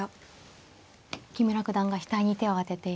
木村九段が額に手を当てています。